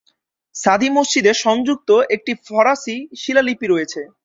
সাদী মসজিদে সংযুক্ত একটি ফরাসি শিলালিপি রয়েছে।